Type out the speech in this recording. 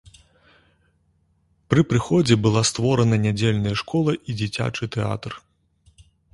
Пры прыходзе была створана нядзельная школа і дзіцячы тэатр.